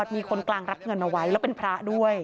มีคนกลางรับเงินเอาไว้แล้วเป็นพระด้วย